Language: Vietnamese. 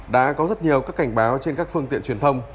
đã có rất nhiều các cảnh báo trên các phương tiện truyền thông